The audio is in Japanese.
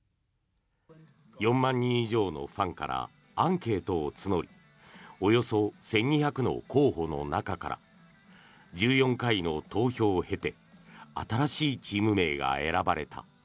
４万人以上のファンからアンケートを募りおよそ１２００の候補の中から１４回の投票を経て新しいチーム名が選ばれた。